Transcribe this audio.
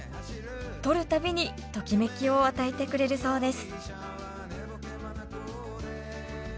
撮る度にときめきを与えてくれるそうです。